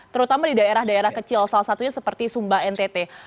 terutama di daerah daerah kecil salah satunya seperti sumba ntt